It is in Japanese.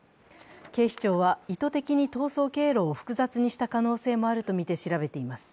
警視庁は、意図的に逃走経路を複雑にした可能性もあるとみて調べています。